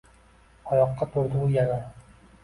Oyoqqa turdi u yana.